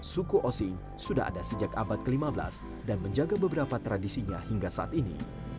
suku osing sudah ada sejak abad ke lima belas dan menjaga beberapa tradisinya hingga saat ini